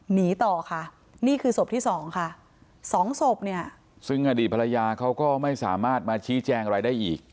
หนีต่อค่ะนี่คือศพที่สองค่ะสองศพเนี่ยซึ่งอดีตภรรยาเขาก็ไม่สามารถมาชี้แจงอะไรได้อีก